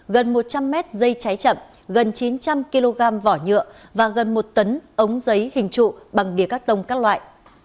gần một trăm linh mét dây cháy chậm gần chín trăm linh kg vỏ nhựa và gần một tấn ống giấy hình trụ bằng bìa cắt tông các loại